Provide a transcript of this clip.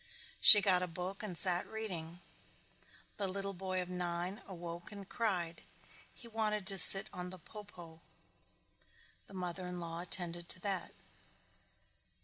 She got a book and sat reading. The little boy of nine awoke and cried. He wanted to sit on the po po. The mother in law attended to that.